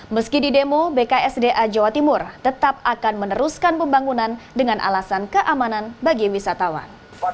meski di demo bksda jawa timur tetap akan meneruskan pembangunan dengan alasan keamanan bagi wisatawan